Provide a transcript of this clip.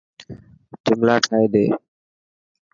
جملا ٺاهي ڏي.